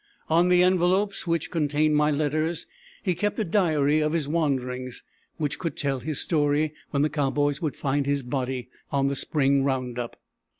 On the envelopes which contained my letters he kept a diary of his wanderings, which could tell his story when the cowboys would find his body on the spring round up.